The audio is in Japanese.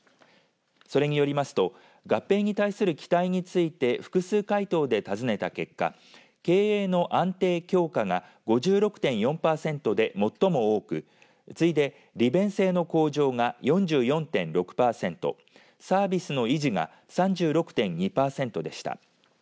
それによりますと合併に対する期待について複数回答で尋ねた結果経営の安定・強化が５６．４パーセントで最も多く次いで、利便性の向上が４４．６パーセントサービスの維持が３６．２パーセントでした。